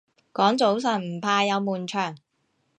講早晨唔怕有悶場